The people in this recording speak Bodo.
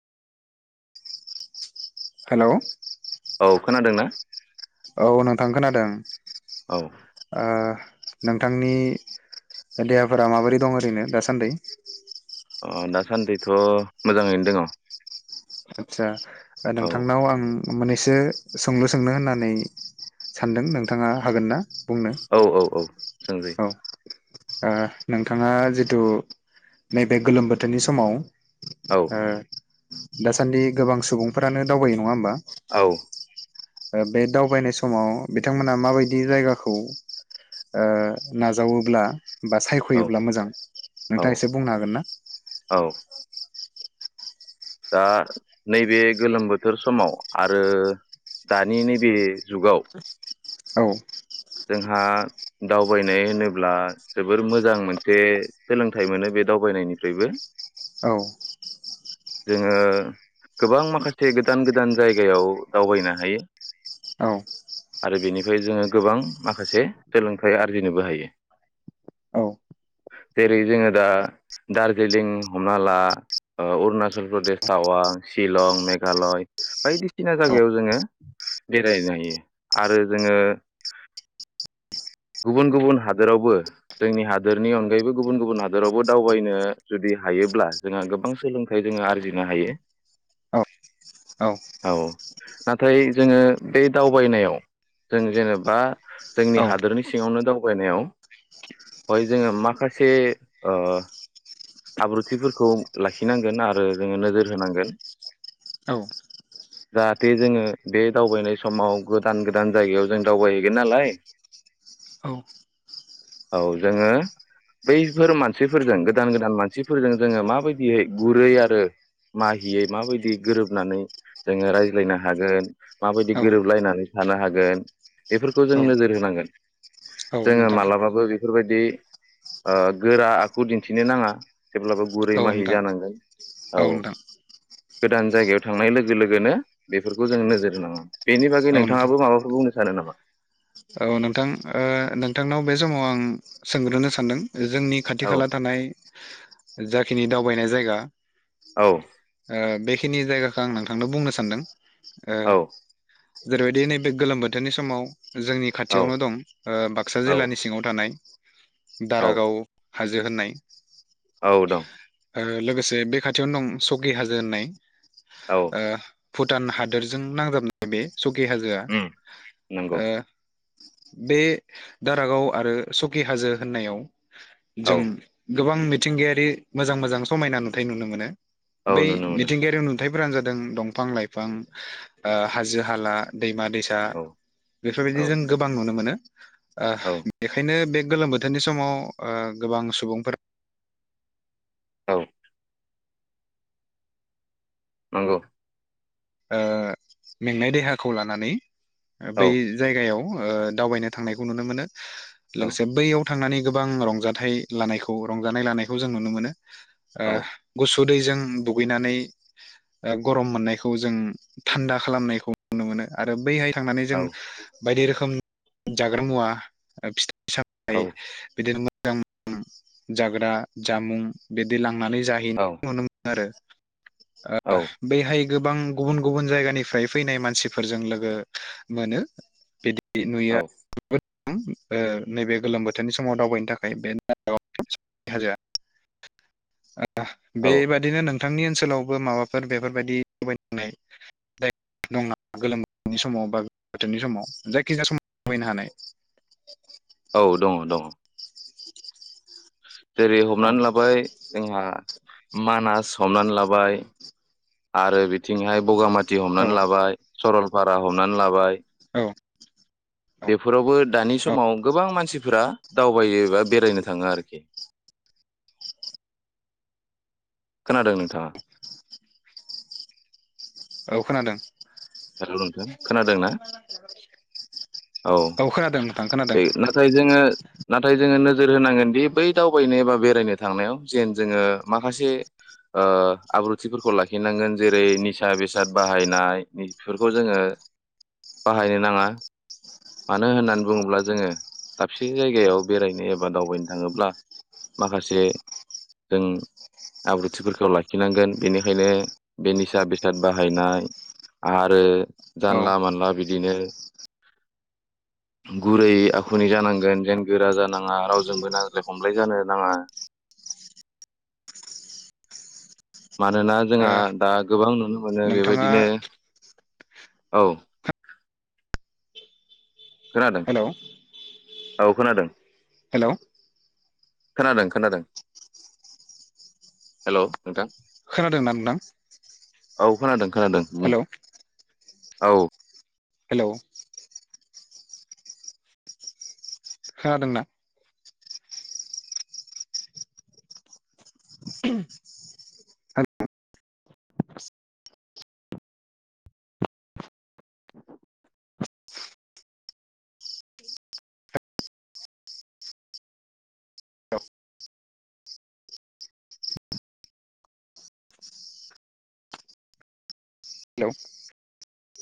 हेलौ औ खोनादों ना? ओं आ नोंथांनि देहाफोरा माबोरै दं ओरैनो दासान्दि अह दासान्दिथ' मोजाङैनो दङ आदसा दा नोंथांनाव आं मोननैसो सोंलु सोंनो होननानै सानदों नोंथाङा हागोन ना बुंनो औ औ औ सोंजायो औ ओ नोंथाङा जिथु नैबे गोलोम बोथोरनि समाव औ ओ दासान्दि गोबां सुबुंफोरानो दावबायो नङा होमबा? औ ओ बे दावबायनाय समाव बिथांमोना माबायदि जायगाखौ ओ नाजावोब्ला बा औ सायख'योब्ला मोजां औ नोंथाङा एसे बुंनो हागोन ना? औ दा नैबे गोलोम बोथोर समाव आरो दानि नैबे जुगाव औ जोंहा दावबायनाय होनोब्ला जोबोर मोजां मोनसे सोलोंथाइ मोनो बे दावबायनायनिफ्रायबो। औ जोङो गोबां माखासे गोदान गोदान जायगायाव दावबायनो हायो आरो बेनिफ्राय जोङो गोबां माखासे सोलोंथाइ आरजिनोबो हायो। औ जेरै जोङो दा दार्जिलिं हमना ला ओ अरुणाचल प्रदेश, टावां, शिलं, मेघालय बायदिसिना औ जागायाव जोङो बेरायनो हायो। आरो जोङो गुबुन गुबुन हादोरावबो जोंनि हादोरनि अनगायैबो गुबुन गुबुन हादोरावबो दावबायनो जुदि हायोब्ला जोंहा गोबां सोलोंथाइ जोङो आरजिनो हायो। औ औ नाथाय जोङो बे दावबायनायाव जों जेनेबा जोंनि औ हादोरनि सिङावनो दावबायनायाव हय जोङो माखासे ओ आब्रुथिफोरखौ लाखिनांगोन आरो जोङो नोजोर होनांगोन। जाहाथे जोङो बे दावबायनाय समाव गोदान गोदान जायगायाव जों दावबाय गिन नालाय औ औ जोङो बैफोर मानसिफोरजों गोदान गोदान मानसिफोरजों जोङो माबायदियै गुरै आरो माहियै मा बायदि गोरोबनानै जोङो रायज्लायनो हागोन माबायदि औ गोरोबलायनानै थानो हागोन बेफोरखौ जों औ नोजोर होनांगो। न औ जोङो नोंथां मालाबाबो बेफोरबायदि ओ गोरा आखु दिन्थिनो नाङा। जेब्लाबो गुरै औ माहि नोंथां जानांगोन औ गोदान जायगायाव थांनाय लोगो लोगोनो बेफोरखौ जों नोजोर होनाङा। बेनि बागै औ नोंथां नोंथाङाबो माबाफोर बुंनो सानो नामा? ओ नोंथांनाव बे समाव आं सोंग्रोनो सानदों? जोंनि खाथि औ खाला थानाय जा खिनि दावबायनाय जायगा औ ओ बे खिनि जायगाखौ आं नोंथांनो बुंनो सानदों। ओ औ जेरैबायदि नैबे गोलोम बोथोरनि समाव जोंनि औ खाथियावनो दं। ओ बाक्सा औ जिल्लानि सिङाव थान नाय औ दारागाव हाजो होननाय औ दं। ओ लोगोसे बे खाथियावनो दं स'कि हाजो होननाय। औ ओ। भुटान हादोरजों नांजाबनाय बे स'कि हाजोआ उम नंगौ ओ बे दारागाव आरो स'कि हाजो होननायाव औ जों उम गोबां मिथिंगायारि मोजां मोजां समायना नुथाय नुनो मोनो। औ बै नुनो मोनो मिथिंगायारि नु थायफोरानो जादों दंफां लाइफां ओ हाजो हाला। दैमा दैसा औ औ बेफोरबायदि जों गोबां नुनो मोनो। ओ औ बेखायनो बे। गोलोम बोथोरनि समाव ओ गोबां सुबुंफोरा। औ। नंगौ। ओ मेंनाय देहाखौ लानानै। ओ औ बै जायगायाव ओ। दावबायनो थांनायखौ नुनो मोनो। औ लोगोसे बैयाव। थांनानै गोबां रंजाथाइ लानायखौ रंजानाय लानायखौ जों नुनो मोनो। आ औ गुस दैजों दुगैनानै गरम मोननायखौ। जों थान्दा खालामनायखौ नुनो मोनो आरो बैहाय। थांनानै औ जों। बायदि रोखोम जाग्रा मुवा औ फि [unintelligible] बिदिनो [unintelligible] जाग्रा जामुं बिदि लां नानै जाहै नुनो मोन आरो। औ ओ बेहाय। गोबां गुबुन गुबुन जायगानिफ्राय फैनाय मानसिफोरजों लोगो मोनो बिदि। नुयो नैबे गोलोम बोथोरनि समाव दावबायनो थाखाय बे हाजो। औ बेबादिनो नोंथांनि ओन ओनसोलावबो माबाफोर बेफोरबायदि। गोलोम बोथोरनि समाव गोजां बोथोरनि समाव जायखिजाया समाव दावबायनो हानाय। औ दङ दङ। जेरै औ हमनानै लाबाय जोंहा। मानास। हनानै लाबाय। आरो आरो बि थिंहाय बगामाथि औ हमनानै लाबाय सरलफारा। बारा हमनानै लाबाय। औ। औ बेफोरावबो दानि समाव गोबां मानसिफोरा दावबायोबा बेरायनो थाङो आरोखि। खोनादों नोंथाङा। औ खोनादों। हेल' नोंथां खोनादों ना औ खोनादों नोंथां खोनादों नाथाय जोङो नाथाय जोङो। नोजोर होनांगोनदि बै दावबायनो एबा बेरायनो थांनायाव जेन जोङो माखासे आब्रुथिफोरखौ लाखिनांगोन जेरै निसा बेसाद बाहायनाय। बेफोरखौ जोङो बाहायनो नाङा। मानो होननानै बुङोब्ला जोङो दाबसे जायगायाव बेरायनो एबा दावबायनो थाङोब्ला माखासे जों आब्रुथिफोरखौ लाखिनांगोन बेनिखायनो बे निसा बेसाद बाहायनाय आरो औ जानला मानला बिदिनो गुरै आखुनि जानांगोन जेन गोरा जानाङा रावजोंबो नांज्लाय खमलाय जानो नाङा मानोना जोंहा ओ दा गोबां नुनो मोनो नोंथाङा बेबायदिनो औ। खोनादों हेलौ औ खोनादों हेलौ खोनादों खोनादों हेल' नोंथां। खोनादोंना नोंथां। औ खोनादों। खोनादों बुं। हेलौ औ। हेल'। खोनादोंना। [inaudible] हेलौ।